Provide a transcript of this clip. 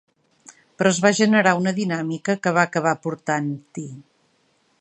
Però es va generar una dinàmica que va acabar portant-hi.